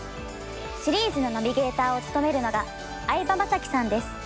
シリーズのナビゲーターを務めるのが相葉雅紀さんです。